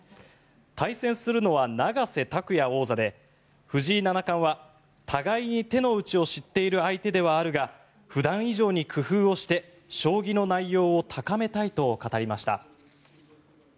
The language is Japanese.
対戦するのは永瀬拓矢王座で藤井七冠は互いに手の内を知っている相手ではあるが普段以上に工夫をして将棋の内容を高めたいと語りました。